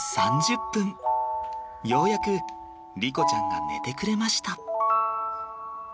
ようやく莉子ちゃんが寝てくれました。